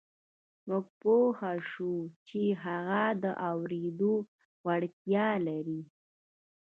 موږ پوه شوو چې هغه د اورېدو وړتيا لري.